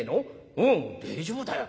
おお大丈夫だよ。